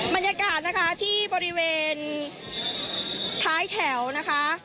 บรรยากาศนะคะที่บริเวณท้ายแถวนะคะ